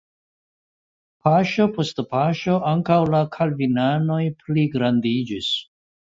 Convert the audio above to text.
Paŝo post paŝo ankaŭ la kalvinanoj pligrandiĝis.